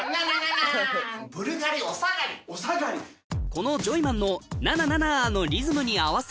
このジョイマンのナナナナのリズムに合わせ